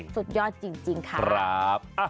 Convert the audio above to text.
สุดยอดจริงครับ